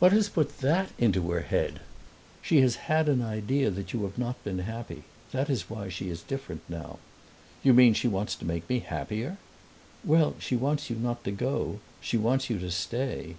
"What has put that into her head?" "She has had an idea you have not been happy. That is why she is different now." "You mean she wants to make me happier?" "Well, she wants you not to go; she wants you to stay."